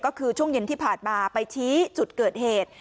ก็คือช่วงเย็นที่ผ่านมาไปชี้จุดเกิดเหตุ